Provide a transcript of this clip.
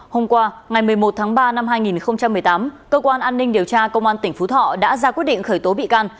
hôm qua ngày một mươi một tháng ba năm hai nghìn một mươi tám cơ quan an ninh điều tra công an tỉnh phú thọ đã ra quyết định khởi tố bị can